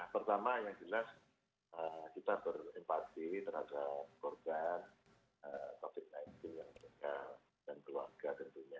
pertama yang jelas kita berempati terhadap korban covid sembilan belas yang meninggal dan keluarga tentunya